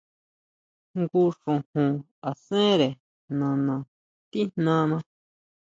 Jngu xojon asére nana tijnana.